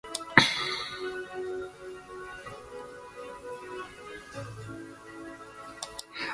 Among them, three are foreign.